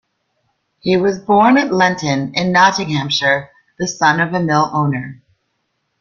He was born at Lenton in Nottinghamshire, the son of a mill owner.